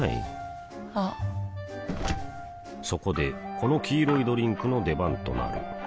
あっそこでこの黄色いドリンクの出番となる